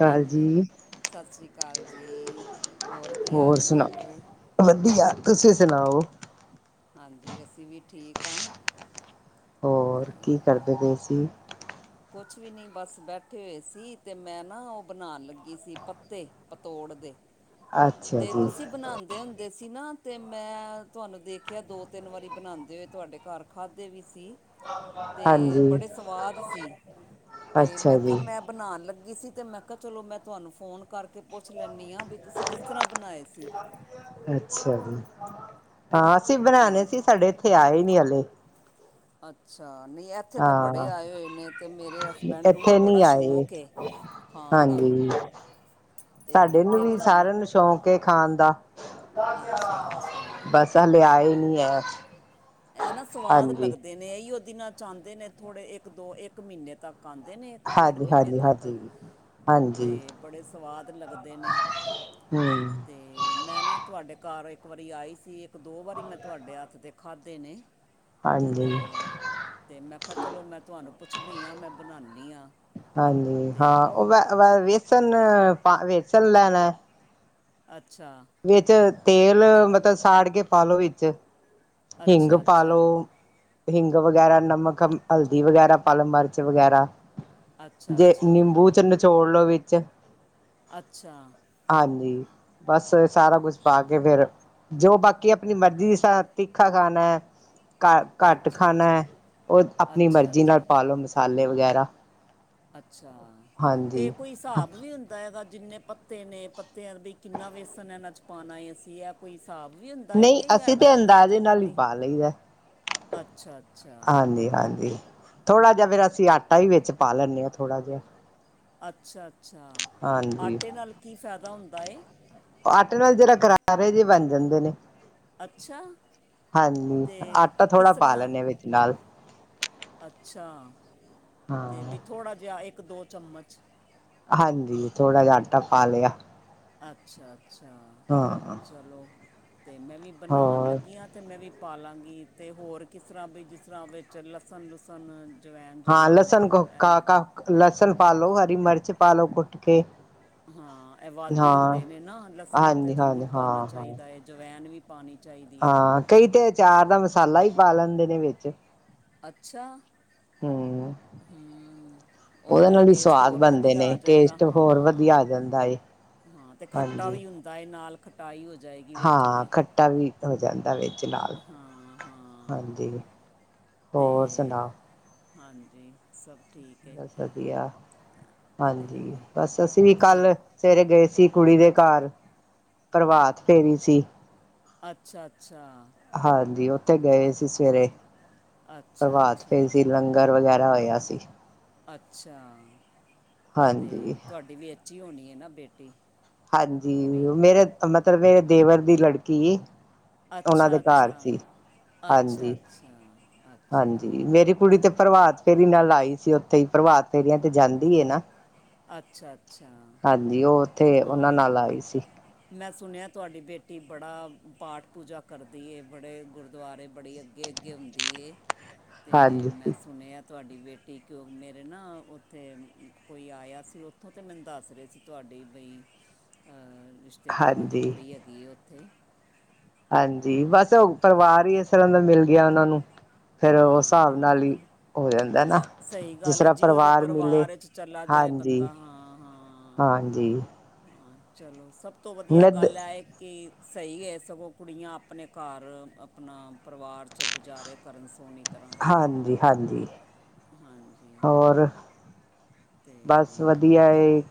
ਕਾਲ ਹਾਂਜੀ! ਜੀ ਸਤਿ ਸ਼੍ਰੀ ਅਕਾਲ ਜੀ! ਹੋਰ ਕੀ ਹਾਲ ਚਾਲ ਏ। ਵਧੀਆ, ਤੁਸੀਂ ਸੁਣਾਓ। ਹਾਂਜੀ! ਅਸੀਂ ਵੀ ਠੀਕ ਹਾਂ। ਹੋਰ ਕੀ ਕਰਦੇ ਪਏ ਸੀ? ਕੁਛ ਵੀ ਨਹੀਂ ਬਸ ਬੈਠੇ ਹੋਏ ਸੀ ਤੇ ਮੈਂ ਨਾ ਉਹ ਬਣਾਣ ਲੱਗੀ ਸੀ ਪੱਤੇ। ਪਤੋੜ ਦੇ ਅੱਛਾ ਤੇ ਜੀ ਤੁਸੀਂ ਬਣਾਂਦੇ ਹੁੰਦੇ ਸੀ ਨਾ। ਤੇ ਮੈਂ ਤੁਹਾਨੂੰ ਦੇਖਿਆ ਦੋ ਤਿੰਨ ਵਾਰੀ ਬਣਾਂਦੇ ਹੋਏ ਤੁਹਾਡੇ ਘਰ ਖਾਧੇ ਵੀ ਸੀ। ਤੇ ਹਾਂਜੀ ਬੜੇ ਸਵਾਦ ਸੀ ਤੇ ਅੱਛਾ ਮੈਂ ਕਿਆ ਜੀ ਮੈਂ ਬਣਾਣ ਲੱਗੀ ਸੀ ਤੇ ਮੈਂ ਕਿਆ ਚਲੋ ਮੈਂ ਤੁਹਾਨੂੰ ਫੋਨ ਕਰਕੇ ਪੁੱਛ ਲੈਂਣੀ ਆਂ ਵੀ ਤੁਸੀਂ ਕਿਸ ਤਰ੍ਹਾਂ ਬਣਾਏ ਸੀ। ਅੱਛਾ ਜੀ ਹਾਂ ਅਸੀਂ ਬਣਾਣੇ ਅਤੇ ਸੀ ਸਾਡੇ ਇੱਥੇ ਆਏ ਨੀ ਹਲੇ ਅੱਛਾ ਨਈ ਇ ਇੱਥੇ ਤੇ ਬੜੇ ਹਾਂ ਆਏ ਹੋਏ ਨੇ ਤੇ ਮੇਰੇ ਹਸਬੈਂਡ ਨੂੰ ਨਾ ਇੱਥੇ ਨੀ ਬੜਾ ਆਏ ਸ਼ੌਕ ਏ। ਖਾਣ ਦਾ ਹਾਂਜੀ ਅਤੇ ਸਾਡੇ ਨੂੰ ਫਿਰ ਵੀ ਤਾਂ ਸਾਰਿਆਂ ਨੂੰ ਸ਼ੌਕ ਕੇ ਖਾਣ ਦਾ ਅੱਛਾ ਅੱਛਾ ਬਸ ਹਲੇ ਆਏ ਨਈ ਐ। ਐ ਨਾ ਸਵਾਦ ਲੱਗਦੇ ਨੇ ਇਹੀਉ ਦਿਨਾਂ ਆਂਦੇ ਨੇ ਥੋੜ੍ਹੇ ਇੱਕ ਦੋ ਇੱਕ ਮ੍ਹੀਨੇ ਤੱਕ ਆਂਦੇ ਨੇ ਇੱਕ ਡੇਢ ਹਾਂਜੀ ਮ੍ਹੀਨੇ ਹਾਂਜੀ ਤੱਕ ਹਾਂਜੀ ਹਾਂਜੀ ਤੇ ਬੜੇ ਸਵਾਦ ਲੱਗਦੇ ਨੇ ਹਮ ਤੇ ਤੇ ਮੈਂ ਨਾ ਤੁਹਾਡੇ ਘਰ ਇੱਕ ਵਾਰੀ ਆਈ ਸੀ ਇੱਕ ਦੋ ਵਾਰੀ ਮੈਂ ਤੁਹਾਡੇ ਹੱਥ ਦੇ ਖ ਖਾਧੇ ਨੇ ਹਾਂਜੀ ਤੇ ਤੇ ਮੈਂ ਕਿਆ ਚਲੋ ਮੈਂ ਤੁਹਾਨੂੰ ਪੁੱਛਦੀ ਹਾਂ ਮੈਂ ਬਣਾਣੀ ਆਂ। ਹਾਂਜੀ ਹਾਂ ਓ ਵ ਵ ਵੇਸਣ-ਵੇਸਣ ਲੈਣਾ। ਅੱਛਾ ਵਿੱਚ ਤੇਲ ਮਤਲਬ ਸਾੜ ਕੇ ਪਾ ਲੋ ਵਿੱਚ ਹਿੰਗ ਅੱਛਾ ਪਾ ਲੋ। ਅੱਛਾ ਹਿੰਗ ਵਗੈਰਾ ਨਮਕ ਹਲਦੀ ਵਗੈਰਾ ਪਾ ਲੋ ਮਿਰਚ ਵਗੈਰਾ ਅੱਛਾ ਜੇ ਅੱਛਾ ਨਿੰਬੂ 'ਚ ਨਿਚੋੜ ਲੋ ਵਿੱਚ ਅੱਛਾ ਹਾਂਜੀ ਬਸ ਸਾਰਾ ਕੁਛ ਪਾ ਕੇ ਫਿਰ ਜੋ ਬਾਕੀ ਆਪਣੀ ਮਰਜ਼ੀ ਦੀ ਤਿੱਖਾ ਖਾਣਾ। ਘ ਘੱਟ ਅੱਛਾ ਅੱਛਾ ਖਾਣਾ ਅੱਛਾ ਓ ਆਪਣੀ ਮਰਜ਼ੀ ਨਾਲ ਅੱਛਾ ਪਾ ਲੋ ਮਸਾਲੇ ਵਗੈਰਾ ਅੱਛਾ ਤੇ ਹਾਂਜੀ। ਕੋਈ ਹਿਸਾਬ ਵੀ ਹੁੰਦਾ ਐ ਦਾ। ਜਿੰਨੇ ਪੱਤੇ ਨੇ ਪੱਤਿਆਂ ਵੀ ਕਿੰਨਾ ਵੇਸਨ ਇਹਨਾਂ 'ਚ ਪਾਂਣਾ ਹੈ ਅਸੀਂ ਇਹ ਕੋਈ ਹਿਸਾਬ ਵੀ ਹੁੰਦਾ ਹੈ ਨਹੀਂ ਕਿ ਹੈ ਅਸੀਂ ਵ ਤੇ ਅੰਦਾਜ਼ੇ ਦਾਜੇ ਨਾਲ ਹੀ ਨਾਲੇ ਈ। ਪਾ ਲਈਦਾ। ਅੱਛਾ-ਅੱਛਾ ਥੋੜ੍ਹਾ ਜਿਹਾ ਫਿਰ ਅਸੀਂ ਆਟਾ ਹੀ ਵਿੱਚ ਪਾ ਲੈਂਣੇ ਹਾਂ ਥੋੜ੍ਹਾ ਜਿਹਾ ਅੱਛਾ-ਅੱਛਾ ਹਾਂਜੀ ਆਟੇ ਨਾਲ ਕੀ ਫਾਇਦਾ ਹੁੰਦਾ ਏ। ਆਟੇ ਨਾਲ ਜਰਾ ਕਰਾਰੇ ਜਿਹੇ ਬਣ ਜਾਂਦੇ ਨੇ। ਅੱਛਾ ਹਾਂਜੀ ਅਤੇ ਆਟਾ ਕਿਸ ਥੋੜ੍ਹਾ ਪਾ ਤਰ੍ਹਾਂ ਲੈਂਣੇ ਵਿਚ ਨਾਲ ਅੱਛਾ ਤੇ ਹਾਂ ਵੀ ਥੋੜ੍ਹਾ ਜਿਹਾ ਇੱਕ ਦੋ ਚਮਚ ਹਾਂਜੀ ਥੋੜਾ ਜਿਹਾ ਆਟਾ ਪਾ ਲਿਆ। ਅੱਛਾ-ਅੱਛਾ ਹਾਂ ਚਲੋ ਅਤੇ ਮੈਂ ਵੀ ਬਣਾਂਣ ਹੋਰ ਲੱਗੀ ਹਾਂ ਅਤੇ ਮੈਂ ਵੀ ਪਾ ਲਾਂਗੀ ਅਤੇ ਹੋਰ ਕਿਸ ਤਰ੍ਹਾਂ ਵੀ ਜਿਸ ਤਰ੍ਹਾਂ ਵਿੱਚ ਲਸਣ ਲੁਸਣ ਜਵੈਣ ਹਾਂ ਜਵੂਨ ਲਸਣ ਕੋ ਇਹਨਾਂ ਦਾ ਕ-ਕ ਲਸਣ ਪਾ ਲੋ ਹਰੀ ਮਿਰਚ ਪਾ ਲੋ ਕੁੱਟ ਕੇ ਹਾਂ ਐ ਬਾਦੀ ਹਾਂ ਹੁੰਦੇ ਨੇ ਨਾ ਲਸਣ ਤੇ ਹਾਂਜੀ ਹਾਂਜੀ ਜ਼ਰੂਰ ਪਾਂਣਾ ਹਾਂ ਹਾਂ ਚਾਹੀਦਾ ਹੈ ਜਵੈਨ ਵੀ ਪਾਣੀ ਚਾਹੀਦੀ ਏ। ਹਾਂ ਕਈ ਤੇ ਅਚਾਰ ਦਾ ਮਸਾਲਾ ਹੀ ਪਾ ਲੈਂਦੇ ਨੇ ਵਿੱਚ ਅੱਛਾ ਹਮ ਹੂੰ ਉਹਦੇ ਨਾਲ ਵੀ ਟੇਸਟ ਸਵਾਦ ਹੋਰ ਬਣਦੇ ਵਧੀਆ ਆ ਨੇ ਜਾਏਗਾ ਟੇਸਟ ਹੋਰ ਹਾਂ। ਵਧੀਆ ਆ ਜਾਂਦਾ ਏ ਹਾਂ ਤੇ ਖੱਟਾ ਹਾਂਜੀ ਵੀ ਹੁੰਦਾ ਏ ਨਾਲ ਖੱ ਟਾਈ ਹੋ ਜਾਏ। ਹਾਂ ਖੱਟਾ ਵੀ ਹੋ ਜਾਂਦਾ ਵੇ। ਚ ਨਾਲ ਹਾਂ ਹਾਂ ਹਾਂਜੀ, ਹੋਰ ਅਤੇ ਸੁਣਾ ਹਾਂਜੀ ਸਭ ਠੀਕ। ਹੈ ਬਸ ਵਧੀਆ, ਅਤੇ ਹਾਂਜੀ ਬਸ ਅਸੀਂ ਵੀ ਫਿਰ ਕੱਲ ਸਵੇਰੇ ਗਏ ਸੀ ਕੁੜੀ ਦੇ ਘਰ, ਪ੍ਰਭਾਤ ਫੇਰੀ ਸੀ। ਅੱਛਾ -ਅੱਛਾ ਹਾਂਜੀ ਉਥੇ ਗਏ ਸੀ ਸਵੇਰੇ, ਅੱਛਾ ਪ੍ਰਭਾਤ ਫੇਰੀ ਅੱਛਾ ਸੀ ਲੰਗਰ- ਗਰ ਵਗੈਰਾ ਹੋਇਆ ਸੀ। ਅੱਛਾ, ਤੇ ਹਾਂਜੀ ਤੁਹਾਡੀ ਵਿਚ ਹੋਣੀ ਹੈ ਨਾ ਬੇਟੀ? ਹਾਂਜੀ ਕੁੜੀ ਮੇਰੇ ਮਤਲਬ ਮੇਰੇ ਦੇਵਰ ਦੀ ਲੜਕੀ ਉਹਨਾਂ ਦੇ ਅੱਛਾ-ਅੱਛਾ, ਘਰ ਸੀ ਅੱਛਾ ਹਾਂਜੀ -ਅੱਛਾ। ਅੱਛਾ ਹਾਂਜੀ ਮੇਰੀ ਕੁੜੀ ਤੇ ਪ੍ਰਭਾਤ ਫੇਰੀ ਨਾਲ ਆਈ ਸੀ ਉੱਥੇ ਹੀ ਪ੍ਰਭਾਤ ਫੇਰੀਆਂ ਤੇ ਜਾਂਦੀ ਨਾ। ਅੱਛਾ -ਅੱਛਾ। ਹਾਂਜੀ ਹੋਰ ਹਾਂ। ਮੈਂ ਸੁਣਿਆ ਤੁਹਾਡੀ ਬੇਟੀ ਬੜਾ ਪਾਠ ਪੂਜਾ ਕਰਦੀ ਏ, ਬੜੇ ਗੁਰਦੁਆਰੇ ਬੜੀ ਅੱਗੇ- ਅੱਗੇ ਹੁੰਦੀ ਏ ਤੇ ਹਾਂਜੀ ਮੈਂ ਸੁਣਿਆ ਤੁਹਾਡੀ ਬੇਟੀ ਕਿਉਂ ਮੇਰੇ ਨਾ ਉੱਥੇ ਕੋਈ ਆਇਆ ਸੀ ਉੱਥੋਂ ਤੇ ਮੈਨੂੰ ਦੱਸ ਰੇ ਸੀ ਤੁਹਾਡੀ ਬਈ, ਰਿਸ਼ਤੇਦਾਰਾਂ ਦੀ ਹਾਂਜੀ ਕੁੜੀ ਹੈਗੀ ਹੈ ਉੱਥੇ ਹਾਂਜੀ ਬਸ ਉਹ ਪਰਿਵਾਰ ਹੀ ਇਸ ਤਰ੍ਹਾਂ ਦਾ ਮਿਲ ਗਿਆ ਉਹਨਾਂ ਨੂੰ। ਫੇਰ ਹਾਂ ਉਸ ਹਿਸਾਬ ਹਾਂ ਨਾਲ ਹੀ ਹੋ ਜਾਂਦਾ ਨਾ, ਜਿਸ ਤਰ੍ਹਾਂ ਪਰਿਵਾਰ ਮਿਲੇ। ਚਲਾ ਜਾਏ ਹਾਂਜੀ ਬੰਦਾ ਹਾਂ ਹਾਂ। ਹਾਂਜੀ ਹਾਂ ਚਲੋ ਸਭ ਤੋਂ ਵਧੀਆ ਨਦ ਗੱਲ ਆ ਇਹ ਕਿ ਸਹੀ ਹੈ ਸਗੋਂ ਕੁੜੀਆਂ ਆਪਣੇ ਘਰ ਆਪਣਾ ਪਰਿਵਾਰ 'ਚ ਗੁਜ਼ਾਰੇ ਕਰਨ ਸੋਹਣੀ ਤਰ੍ਹਾਂ ਹਾਂਜੀ ਹਾਂਜੀ ਹਾਂਜੀ ਹੋਰ ਬਸ ਤੇ ਵਧੀਆ ਏ,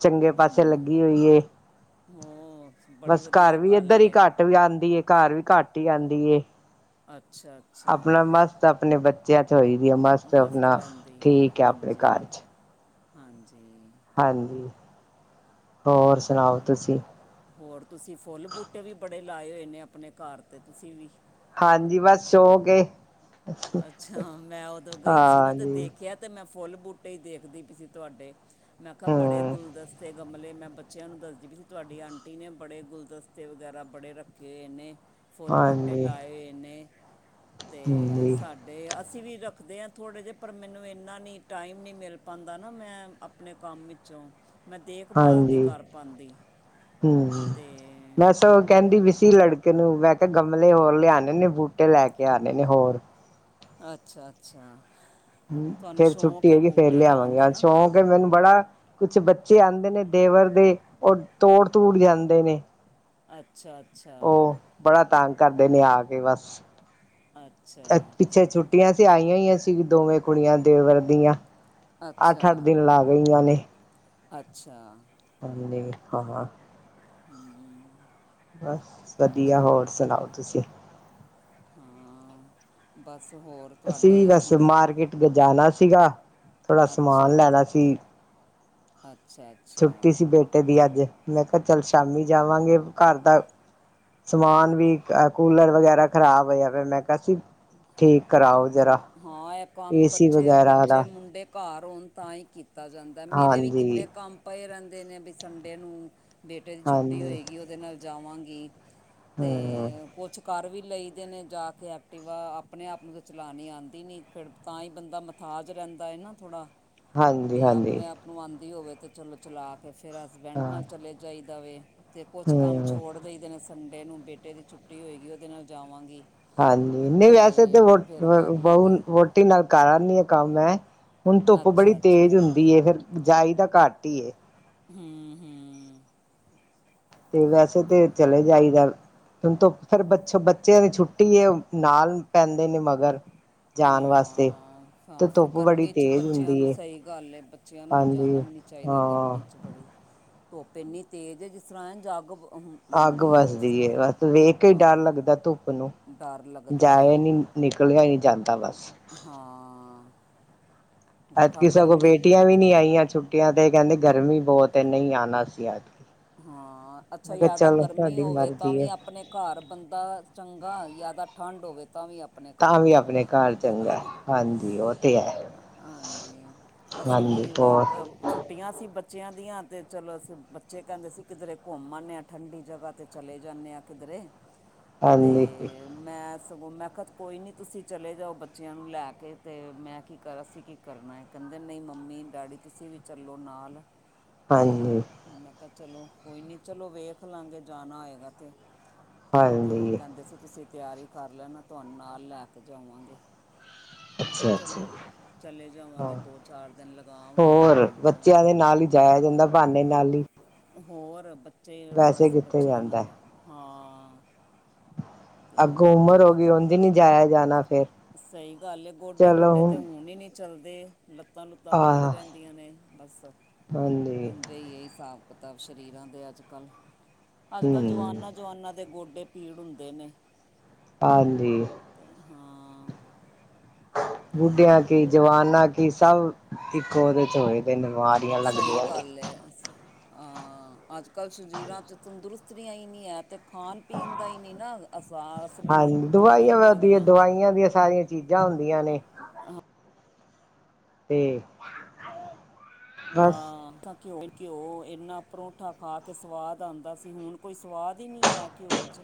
ਚੰਗੇ ਪਾਸੇ ਲੱਗੀ ਹੋਈ ਏ। ਹੂੰ ਬੜੀ ਬਸ ਘਰ ਵਧੀਆ ਵੀ ਏਧਰ ਗੱਲ ਹੀ ਹੈ ਘੱਟ ਕਲਿਆ ਆਂਦੀ ਘਰ ਵੀ ਘੱਟ ਈ ਆਂਦੀ ਏ, ਅੱਛਾ ਅੱਛਾ ਆਪਣਾ ਮਸਤ ਆਪਣੇ ਬੱਚੇ ਬੱਚਿਆ ਚ ਹੋਈ ਦੀ ਆ ਮਸਤ ਆਪਣਾ, ਰਹਿੰਦੀ ਹੈ ਠੀਕ ਐ ਆਪਣੇ ਹਾਂਜੀ ਘਰ ਚ। ਹਾਂਜੀ ਹਾਂਜੀ, ਹੋਰ ਸੁਣਾਓ ਚਲੋ ਤੁਸੀਂ? ਹੋਰ ਤੁਸੀਂ ਫੁੱਲ ਬੂਟੇ ਵੀ ਬੜੇ ਲਾਏ ਹੋਏ ਨੇ ਆਪਣੇ ਘਰ 'ਤੇ ਤੁਸੀਂ ਵੀ ਹਾਂਜੀ ਬਸ ਕੇ ਸੋਕ ਏ। ਅੱਛਾ ਮੈਂ ਉਦੋਂ ਗਈ ਸੀ ਨਾ ਤੇ ਹਾਂਜੀ ਦੇਖਿਆ ਤੇ ਮੈਂ ਫੁੱਲ ਬੂਟੇ ਹੀ ਦੇਖਦੀ ਪਈ ਸੀ ਤੁਹਾਡੇ ਮੈਂ ਕਿਆ ਬੜੇ ਹੂੰ ਗੁਲਦਸਤੇ ਗਮਲੇ ਮੈਂ ਬੱਚਿਆਂ ਨੂੰ ਦੱਸਦੀ ਵੀਈ ਸੀ ਤੁਹਾਡੀ ਆਂਟੀ ਨੇ ਬੜੇ ਗੁਲਦਸਤੇ ਵਗੈਰਾ ਬੜੇ ਰੱਖੇ ਹੋਏ ਨੇ। ਫੁੱਲ ਬੂਟੇ ਹਾਂਜੀ ਲਾਏ ਹੋਏ ਨੇ ਤੇ ਹਾਂਜੀ ਸਾਡੇ ਅਸੀਂ ਵੀ ਰੱਖਦੇ ਹਾਂ ਥੋੜੇ ਜਿਹੇ ਪਰ ਮੈਨੂੰ ਇੰਨਾ ਨੀ ਟਾਈਮ ਨੀ ਮਿਲ ਪਾਦਾਂ ਨਾ ਮੈਂ ਆਪਣੇ ਕੰਮ ਵਿੱਚ ਚੋ, ਮੈਂ ਦੇਖਭਾਲ ਨਹੀਂ ਹਾਂਜੀ ਕਰ ਪਾਂਦੀ। ਹੂੰ, ਤੇ ਬਸ ਉਹ ਕਹਿੰਦੀ ਪੀ ਸੀ ਲੜਕ ਕੀ-ਨੂੰ ਮੈਂ ਕਿਹਾ ਗਮਲੇ ਹੋਰ ਲਿਆਉਣੇ ਨੇ ਬੂਟੇ ਲੈ ਕੇ ਆਉਣੇ ਨੇ ਹੋਰ। ਅੱਛਾ ਅੱਛਾ। ਹੂੰ! ਤੁਹਾਨੂੰ ਫੇਰ ਸ਼ੌਂਕ ਛੁੱਟੀ ਹੈ ਹੈਗੀ ਫੇਰ ਬੂਟੇ ਲਾਉਣ ਲਿਆਵਾਂਗੇ ਦਾ ਅ ਨਾ ਚੌਕ। ਫੇਰ ਮੈਨੂੰ ਬੜਾ ਕੁਛ ਬੱਚੇ ਆਂਦੇ ਨੇ ਦੇਵਰ ਦੇ ਉਹ ਤੋੜ- ਤੁੜ ਜਾਂਦੇ ਨੇ। ਅੱਛਾ- ਅੱਛਾ। ਉਹ ਬੜਾ ਤੰਗ ਕਰਦੇ ਨੇ ਆ ਕੇ ਬਸ ਅੱਛਾ ਪਿੱਛੇ ਛੁੱਟੀਆਂ। ਆਈਆਂ ਹੀਆਂ ਸੀ ਦੋਵੇਂ ਕੁੜੀਆਂ ਦੇਵਰ ਦੀਆਂ। ਅੱਠ-ਅੱਠ ਅੱਛਾ- ਦਿਨ ਲਾ ਗਈਆਂ ਨੇ ਅੱਛਾ! ਹਾਂਜੀ! ਹਾਂ! ਹੂੰ! ਬਸ ਵਧੀਆ, ਹੋਰ ਸੁਣਾਓ ਤੁਸੀਂ। ਹੂੰ! ਬਸ ਹੋਰ। ਅਸੀਂ ਤੁਹਾਡੇ ਵੀ ਬਸ ਗ- ਮਾਰਕਿਟ ਜਾਣਾ ਸੀਗਾ, ਥੋੜਾ ਸਮਾਨ ਅੱਛਾ ਲੈਣਾ ਸੀ। ਅੱਛਾ- ਅੱਛਾ! ਛੁੱਟੀ ਸੀ ਬੇਟੇ ਦੀ ਅੱਜ ਮੈਂ ਕਿਹਾ ਚੱਲ ਸ਼ਾਮੀ ਜਾਵਾਂਗੇ ਘਰ ਦਾ। ਸਮਾਨ ਵੀ ਅ ਕੂਲਰ ਵਗੈਰਾ ਖ਼ਰਾਬ ਹੋਇਆ ਪਿਆ ਮੈਂ ਕਿਹਾ ਸੀ। ਠੀਕ ਕਰਾਓ ਅੱਛਾ! ਜਰਾ ਹਾਂ! ਇਹ ਕੰਮ ਏਸੀ ਬੱਚੇ- ਵਗੈਰਾ ਬੱਚੇ ਦਾ ਮੁੰਡੇ। ਘਰ ਹੋਣ ਤਾਂ ਹੀ ਕੀਤਾ ਜਾਂਦਾ ਮੇਰੇ ਵੀ ਕਿੰਨੇ ਹਾਂਜੀ ਕੰਮ ਪਏ ਰਹਿੰਦੇ ਨੇ ਵੀ ਸੰੰਡੇ ਨੂੰ। ਬੇਟੇ ਦੀ ਛੁੱਟੀ ਹਾਂਜੀ ਹੋਏਗੀ, ਉਹਦੇ ਨਾਲ ਜਾਵਾਂਗੀ, ਹੂੰ ਤੇ ਕੁਛ। ਘਰ ਵੀ ਲਈ ਦੇ ਨੇ ਜਾ ਕੇ ਐਕਟਿਵਾ। ਆਪਣੇ ਆਪ ਨੂੰ ਤਾਂ ਚਲਾਉਣੀ ਆਂਦੀ ਨਹੀਂ ਫਿਰ ਤਾਂ ਹੀ ਬੰਦਾ ਮਥਾਜ ਰਹਿੰਦਾ ਏ ਨਾ ਥੋੜ੍ਹਾ। ਹਾਂਜੀ ਤੇ ਹਾਂਜੀ ਆਪਣੇ ਆਪ ਨੂੰ ਆਂਦੀ ਹੋਵੇ ਤੇ ਚਲੋ ਚਲਾ ਕੇ ਫਿਰ। ਹਸਬੈਂਡ ਹਾਂ ਨਾਲ ਚਲੇ ਜਾਈਦਾ ਵੇ ਤੇ ਕੁਛ ਕੰਮ ਹੂੰ ਛੋੜ ਦੇਈ ਦੇ ਨੇ। ਸੰਡੇ ਨੂੰ ਬੇਟੇ ਦੀ ਛੁੱਟੀ ਹੋਏਗੀ ਉਹਦੇ ਨਾਲ ਜਾਵਾਂਗੀ। ਹਾਂਜੀ! ਨਹੀਂ ਵੈਸੇ ਤਾਂ ਅਤੇ ਫਿਰ ਕਰ ਬ ਲਈਦਾ ਵੋਟੀ ਨਾਲ ਕਰੀ ਆਨੀ ਆ ਕੰਮ ਮੈਂ। ਹੁਣ ਧੁੱਪ ਬੜੀ ਅੱਛਾ ਅੱਛਾ ਤੇਜ਼ ਹੁੰਦੀ ਹੈ, ਫਿਰ ਜਾਇਦਾ ਘੱਟ ਹੀ ਹੈ। ਹੂੰ! ਹੂੰ! ਤੇ ਵੈਸੇ ਤੇ ਚਲੇ ਜਾਈਦਾ। ਹੁਣ ਤੋ ਫਿਰ ਬ ਬੱਚਿਆਂ ਦੀ ਛੁੱਟੀ ਹੈ ਨਾਲ ਪੈਂਦੇ ਨੇ ਮਗਰ। ਜਾਣ ਵਾਸਤੇ ਹਾਂ! ਤੇ ਹਾਂ! ਫਿਰ ਧੁੱਪ ਬੜੀ ਗਰਮੀ 'ਚ ਤੇਜ਼ ਬੱਚਿਆਂ ਹੁੰਦੀ ਨੂੰ ਏ ਸਹੀ ਗੱਲ ਹੈ ਬੱਚਿਆਂ ਨੂੰ ਲਿਜਾਣਾ ਹਾਂਜੀ ਵੀ ਨੀ। ਚਾਹੀਦਾ ਹਾਂ। ਗਰਮੀ 'ਚ ਬੜੀ। [inaudible] ਧੁੱਪ ਇੰਨੀ ਤੇਜ਼ ਹੈ, ਜਿਸ ਤਰ੍ਹਾਂ ਇੰਜ ਅੱਗ। ਅੱਗ ਵੱਸਦੀ ਹੈ ਬਸ ਵੇਖਕੇ ਹੀ ਡਰ ਹਾਂ ਲੱਗਦਾ ਧੁੱਪ ਨੂੰ ਡਰ ਲੱਗਦਾ ਹੈ ਜਾਏ ਨੀ। ਨਿਕਲਿਆ ਹੀ ਨੀ ਜਾਂਦਾ ਬਸ। ਹਾਂ! ਗ ਠਾ ਐਦਕੀ ਸਗੋਂ ਗਰਮੀ ਬੇਟੀਆਂ ਵੀ ਨਹੀ ਆਈਆਂ ਛੁੱਟੀਆਂ ਤੇ ਕਹਿੰਦੀਆਂ ਗਰਮੀ ਬਹੁਤ ਨਹੀਂ ਆਉਣਾ ਸੀ ਐਦਕੀ। ਹਾਂ! ਅੱਛਾ! ਜ਼ਿਆਦਾ ਗਰਮੀ ਹੋਵੇ ਤਾਂ ਮਰਜ਼ੀ ਵੀ ਹੈ। ਆਪਣੇ ਘਰ ਬੰਦਾ। ਚੰਗਾ ਜ਼ਿਆਦਾ ਠੰਢ ਹੋਵੇ ਤਾਂ ਵੀ। ਆਪਣੇ ਤਾਂ ਘਰ ਵੀ ਆਪਣੇ ਚੰਗਾ। ਘਰ ਚੰਗਾ ਹਾਂਜੀ ਉਹ ਤੇ ਹੈ ਹਾਂਜੀ! ਅਸੀਂ ਵੀ ਹਾਂਜੀ ਹੋਰ ਛੁੱ। ਛੁੱਟੀਆਂ ਸੀ ਬੱਚਿਆਂ ਦੀਆਂ ਤੇ ਚਲੋ ਅਸੀਂ। ਬੱਚੇ ਕਹਿੰਦੇ ਅਸੀਂ ਕਿਧਰੇ ਘੁੰਮ ਆਣੇ ਹਾਂ ਠੰਡੀ ਜਗ੍ਹਾ ਤੇ ਚਲੇ ਜਾਣੇ ਹਾਂ ਕਿਧਰੇ। ਹਾਂਜੀ ਤੇ। ਮੈਂ ਸਗੋਂ ਮੈਂ ਕਿਹਾ ਕੋਈ ਨਹੀਂ ਤੁਸੀਂ ਚਲੇ ਜਾਓ ਬੱਚਿਆਂ ਨੂੰ ਲੈ ਕੇ ਅਤੇ ਮੈਂ ਕੀ ਕਰਿਆ ਅਸੀਂ ਕੀ। ਕਰਨਾ ਹੈ ਕਹਿੰਦੇ ਨਹੀਂ ਮੰਮੀ, ਡੈਡੀ ਤੁਸੀਂ ਵੀ ਚੱਲੋ ਨਾਲ। [inaudible] ਤੇ ਮੈਂ ਕਿਆ ਚਲੋ, ਕੋਈ ਨੀ ਚਲੋ ਵੇਖ ਲਾਂਗੇ, ਜਾਣਾ ਹੋਏਗਾ ਤੇ। ਤੇ ਹਾਂਜੀ ਕੈੰਦੇ ਸੀ, ਤੁਸੀ ਤਿਆਰੀ ਕਰ ਲੈਣਾ ਤੁਆਨੂੰ ਨਾਲ ਲੈ ਕੇ ਜਾਵਾਂਗੇ। ਮੈੰ ਕਿਆ, ਅੱਛਾ ਚਲੋ। ਅੱਛਾ ਚਲੇ, ਜਾਵਾਂਗੇ ਹਾਂ ਦੋ ਚਾਰ, ਦਿਨ ਲਗਾ ਆਵਾਂਗੇ ਹੋਰ ਘੁੰਮ ਬੱਚਿਆਂ ਆਵਾਂਗੇ। ਦੇ ਨਾਲ ਹੀ ਜਾਇਆ ਜਾਂਦਾ ਬਹਾਨੇ ਨਾਲ ਹੀ ਹੋਰ ਬੱਚੇ, ਵੈਸੇ ਬਸ ਕਿੱਥੇ ਬੱਚੇਆਂ ਨਾਲ ਜਾਂਦਾ ਹਾਂ। ਤੇ ਅੱਗੋਂ ਉਮਰ ਬੱਚੇ, ਹੋ ਗਈ ਉਝ ਨੀ ਜਾਇਆ ਜਾਣਾ ਫੇਰ ਸਈ ਗੱਲ ਏ, ਗੋਡੇ ਗੁਡੇ ਤੇ ਹੁਣ ਈ ਨੀਂ ਚੱਲਦੇ, ਲੱਤਾਂ -ਲੁੱਤਾਂ ਪੀੜ ਆਹ ਰੈੰਦੀਆਂ ਨੇ, ਬਸ ਹਾਂਜੀ ਇੰਝੇ ਈ ਏ ਹਿਸਾਬ। ਪਤਾ ਸ਼ਰੀਰਾਂ ਦੇ ਅੱਜ- ਕੱਲ੍ਹ, ਅੱਜ -ਕੱਲ੍ਹ ਹਮ ਜਵਾਨਾਂ- ਜਵਾਨਾਂ ਦੇ ਗੋਡੇ ਪੀੜ ਹੁੰਦੇ ਨੇ। ਹਾਂਜੀ। ਤੇ, ਹਾਂ। ਤੇ ਬੁੱਢੇਆਂ ਕੀ ਜਵਾਨਾਂ ਕੀ, ਸਬ ਇੱਕੋ ਓਦੇ ਚ ਹੋਏ [unintelligible] ਸਈ ਨੇ। ਗੱਲ ਏ ਅਹ ਅੱਜ -ਕੱਲ ਸ਼ਰੀਰਾਂ 'ਚ ਤੰਦਰੁਸ ਤੀਆਂ, ਈ ਨਈਂ ਐ ਤੇ ਖਾਨ- ਪੀਨ ਦਾ ਈ ਨਈਂ ਨਾ ਐਹਸਾਸ, ਬੀ ਚੀਜਾਂ ਈ ਨੀਂ ਹੈਗੀਆਂ। ਕਈਆਂ ਦੀਆਂ ਸਾਰੇ ਚੀਜਾਂ ਹੁੰਦੀਆਂ ਨੇ ਤੇ ਬਸ ਹਾਂ [unintelligible] ਘੇਓ -ਘੇਓ ਏਨਾਂ ਪਰੋਂਠਾ ਖਾ ਕੇ ਸਵਾਦ ਆਂਦਾ ਸੀ। ਹੁਨ ਕੋਈ ਸਵਾਦ ਈ ਨੀਂ ਐ ਘੇਓ 'ਚ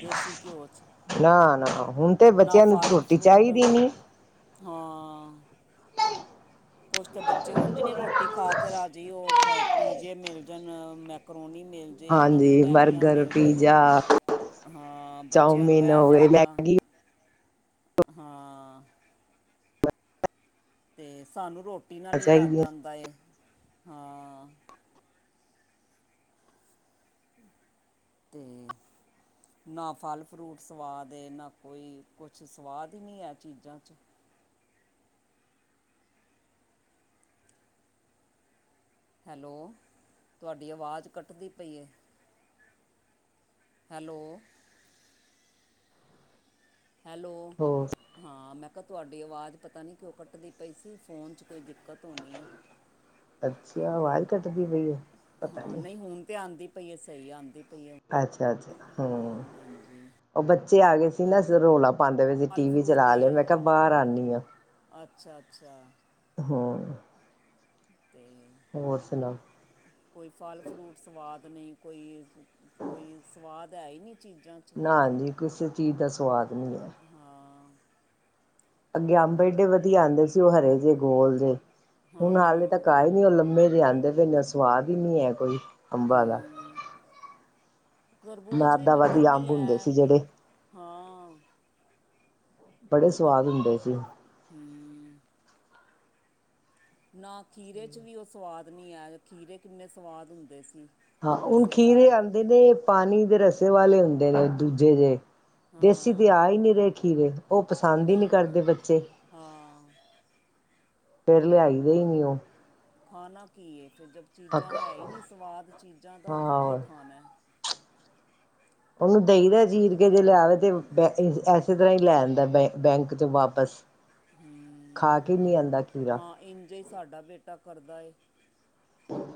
ਦੇਸੀ ਘੇਓ 'ਚ ਨਾ -ਨਾ, ਹੁਨ ਤੇ ਨਾ ਬੱਚੇਆਂ ਨੂੰ ਫਲ ਰੋਟੀ ਫਰੂਟ ਚਾਈਦੀ ਨੀਂ। ਹਾਂ। ਕੁਛ ਤੇ, ਬੱਚੇ ਉੰਝ ਨੀਂ ਰੋਟੀ ਖਾ ਕੇ ਰਾਜੀ ਓ ਖਾ, ਪੀਜੇ ਮਿਲ ਜਾਨ ਮੈ ਮਕਰੋਨੀ ਮਿਲ ਜੇ, ਓਨਾਂ ਨੂੰ ਹਾਂਜੀ ਮੈਗੀਆਂ ਬਰਗਰ ਮਿਲ ਜਾਨ ਪੀਜ਼ਾ ਹਾਂ, ਬੱਚੇਆਂ ਨੂੰ ਚਾਊਮਿਨ ਐ ਹੋ ਗਏ ਜਾਦਾ ਮੈਗੀ [inaudible] ਹਾਂ ਤੇ, ਸਾਨੂੰ ਰੋਟੀ ਨਾਲ ਈ ਚਾਹੀਦੀ ਰੱਜ ਹੈ ਆਂਦਾ ਏ, ਹਾਂ। ਤੇ ਨਾ, ਫਲ- ਫਰੂਟ ਸਵਾਦ ਏ ਨਾ ਕੋਈ, ਕੁਛ ਸਵਾਦ ਈ ਨੀਂ ਐ ਚੀਜਾਂ 'ਚ। ਹੈਲੋ, ਤੁਆਡੀ ਆਵਾਜ ਕੱਟਦੀ ਪਈ ਐ। ਹੈਲੋ ਹੈਲੋ ਹੋਰ ਹਾਂ, ਮੈਂ ਕਿਆ ਤੁਆਡੀ ਆਵਾਜ ਪਤਾ ਨੀਂ ਕਿਉਂ ਕੱਟਦੀ ਪਈ ਸੀ, ਫੋਨ 'ਚ ਕੋਈ ਦਿੱਕਤ ਹੋਨੀ। ਅੱਛਾ ਵਾਜ ਕੱਟਦੀ ਪਈ ਐ, ਪਤਾ ਨੀਂ। ਹੁਨ ਤੇ ਆਂਦੀ ਪਈ ਏ, ਸਈ ਆਂਦੀ ਪਈ ਐ। ਅੱਛਾ-ਅੱਛਾ, ਹੂੰ। ਹਾਂਜੀ ਓ ਬੱਚੇ ਆ ਗਏ ਸੀ ਨਾ, ਫੇਰ ਰੌਲਾ ਪਾਂਦੇ ਪਏ ਸੀ, ਫਲ ਟੀਵੀ ਫਰੂਟ ਚਲਾ ਲਓ ਨੇ ਮੈਂ ਕਿਆ ਬਾਰ ਆਨੀਂ ਆਂ ਅੱਛਾ ਅੱਛਾ ਹੂੰ ਤੇ ਹੋਰ ਸੁਨਾਓ? ਕੋਈ ਫਲ-ਫਰੂਟ ਸਵਾਦ ਨਈਂ ਕੋਈ, ਕੋਈ ਸਵਾਦ ਹੈ ਈ ਨੀਂ ਚੀਜਾਂ ਨਾ ਜੀ, ਕਿਸੇ ਚੀਜ ਦਾ ਸਵਾਦ ਨੀ ਐ। ਹਾਂ ਅੱਗੇ ਅੰਬ ਏਂਡੇ ਵਧੀਆ ਆਦੇਂ ਸੀ ਓ ਹਰੇ ਜੇ, ਗੋਲ ਜੇ। ਹੁਨ ਹਾਲੇ ਹਾਂ ਤੱਕ ਘਾਰ ਵੀ ਓ ਲੰਮੇ ਜੇ ਆਂਦੇ ਪੇ ਨੇ ਓ ਸਵਾਦ ਈ ਨੀ ਐ ਕੋਈ ਅੰਬਾਂ ਦਾ। ਹੂੰ ਖਰਬੂਜ ਵੀ ਮਰਾਦਾਬਾਦੀ ਮਿੱਠੇ ਅੰਬ ਨਹੀਂ ਹੁੰਦੇ ਹੈ ਸੀ ਜੜੇ। ਹਾਂ। ਬੜੇ ਕਰ ਸਵਾਦ ਹੁੰਦੇ ਸੀ। ਹੂੰ। ਨਾ ਖੀਰੇ 'ਚ ਵੀ ਓ ਸਵਾਦ ਨੀ ਐ, ਖੀਰੇ ਕਿੰਨੇ ਸਵਾਦ ਹੁੰਦੇ ਸੀ। ਹਾਂ ਹੁਨ ਖੀਰੇ ਰਸੇਦਾਰ ਆਦੈ ਨੇ ਪਾਨੀ ਦੇ ਰਸੇ ਵਾਲੇ ਹੁੰਦੇ ਨੇ, ਦੂਜੇ ਜੇ। ਦੇਸੀ ਤੇ ਹਾਂ ਆ ਈ ਨੀ ਰਏ ਖੀਰੇ। ਓ ਪਸੰਦ ਆਉਂਦੇ ਈ ਹੀ ਨੀ ਨਹੀਂ ਪ ਕਰਦੇ ਬੱਚੇ। ਹਾਂ ਫੇਰ ਲਿਆਈ ਦੇ ਈ ਨੀ ਓ। ਖਾਨਾ ਕੀ ਏ ਫੇਰ ਜਬ ਚੀਜਾਂ ਹੈ ਈ ਨੀ ਸਵਾਦ ਚੀਜਾਂ ਦਾ ਤੇ ਕੀ ਹਾਂ ਖਾਨੈ। ਓਨੂੰ ਦਈ ਦੈ ਤੇ ਚੀਰ ਕੇ ਜੇ ਲਿਆਵੇ ਤੇ ਦੈ ਏ ਐਸੇ ਤਰਾਂ ਈ ਲੈ ਆਂਦਾ ਬੈਂ ਬੈਂਕ 'ਚ ਵਾਪਸ। ਹੂੰ, ਖਾ ਕੇ ਨੀ ਆਂਦਾ ਖੀਰਾ ਹਾਂ ਇੰਝੇ ਈ ਸਾਡਾ ਬੇਟਾ ਕਰਦਾ ਏ।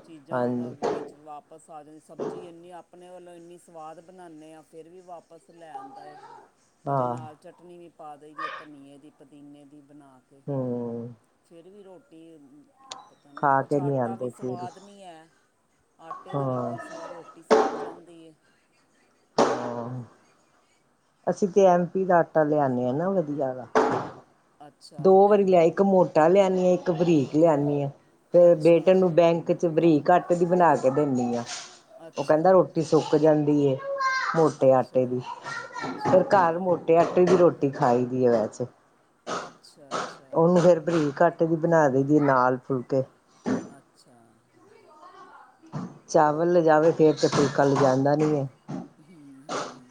ਚੀਜਾਂ ਓਵਾ ਹਾਂਜੀ [unintelligible] ਵਾਪਸ ਆ ਜਾਨੀ ਸਬਜੀ ਏਨੀਂ। ਆਪਨੇ ਵੱਲੋਂ ਇੰਨੀ ਸਵਾਦ ਬਨਾਨੈ ਆਂ ਫੇਰ ਵੀ ਵਾਪਸ ਲੈ ਆਦਾਂ ਏ। [unintelligible] ਹਜੇ ਨਾਲ ਚਟਨੀ ਵੀ ਪਾ ਦਈ ਦੀਏ ਧਨੀਏ ਦੀ ਪਦੀਨੇ ਦੀ, ਬਣਾ ਕੇ। ਹੂੰ। ਫੇਰ ਵੀ ਰੋਟੀ ਪਤਾ ਨੀ ਖਾ ਕੋਛ ਕੇ ਨੀ ਆਟਾ ਵੀ ਆਂਦੇ ਖੀਰੇ ਸਵਾਦ ਨੀ ਐ। ਆਟੇ ਦਾ ਵੀ ਹਾਂ ਕੋਈ ਸਵਾਦ, ਰੋ ਟੀ ਸੋਕ ਜਾਂਦੀ ਏ। ਅ ਅਸੀ ਤੇ ਐਮ ਪੀ ਦਾ ਆਟਾ ਲਿਆਨੈ ਆ ਨਾ ਵਧੀਆ ਆਲਾ। ਅੱਛਾ ਦੋ ਵਾਰੀ ਐਮ ਲਿਆਏ। ਇੱਕ ਮੋਟਾ ਲੇ ਆਨੀ ਐ, ਇੱਕ ਬਰੀਕ ਲੇ ਆਨੀ ਆਂ ਤੇ ਬੇਟੇ ਅੱਛਾ ਨੂੰ ਬੈਂਕ ਤੇ ਬਰੀਕ ਆਟੇ ਦੀ ਬਣਾ ਕੇ ਦੇਂਨੀਂ ਆ। ਓ ਅੱਛਾ ਕੈਂਦਾ ਰੋਟੀ ਸੋਕ ਜਾਂਦੀ ਏ। ਮੋਟੇ ਅੱਛਾ ਆਟੇ ਦੀ। ਅੱਛਾ ਫੇਰ ਅੱਛਾ ਘਾਰ ਮੋਟੇ ਆਟੇ ਦੀ ਈ ਰੋਟੀ ਖਾਈ ਦੀ ਐ ਵੈਸੇ। ਅੱਛਾਂ-ਅੱਛਾਂ। ਉਹਨੂੰ ਫੇਰ ਬਰੀਕ ਆ ਟੇ ਦੀ ਬਨਾ ਦਈ ਦੀ ਏ ਨਾਲ ਫੁਲਕੇ ਅੱਛਾਂ। ਚਾਵਲ ਲਜਾਵੇ ਫੇਰ ਤੇ ਫੁਲਕਾ ਲਜਾਂਦਾ ਨੀ ਐ। ਹੂ, ਹੂ।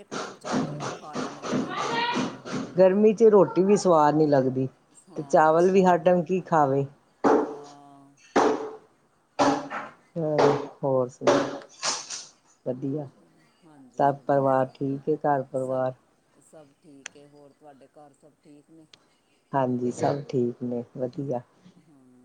ਏੱਕ ਟਾਈਮ ਚਾਵਲ ਵੀ ਖਾ ਲੈਣੇ ਚਾਈਦੇ ਨੇ ਨਾਲ। ਗਰਮੀ 'ਚ ਰੋਟੀ ਵੀ ਸਵਾਦ ਨੀ ਲੱਗਦੀ ਤੇ ਹਾਂ ਚਾਵਲ ਵੀ ਹਰ ਸਵਾਦ ਟੈਮ ਕੀ ਖਾਵੇ। ਹਾਂ। ਹ ਹੋਰ ਸੁਣਾਓ? ਵਧੀਆ। ਹਾਂਜੀ ਸਭ ਵਧੀਆ ਪਰਿਵਾਰ ਹੈ ਠੀਕ ਏ, ਘਰ ਸਭ ਪਰਿਵਾਰ? ਸਭ ਠੀਕ ਏ। ਹੋਰ ਤੁਆਡੇ ਘਾਰ ਸਭ ਠੀਕ ਨੇਂ? ਹਾਂਜੀ, ਸਭ ਠੀਕ ਨੇ ਵਧੀਆ। ਹੂੰ।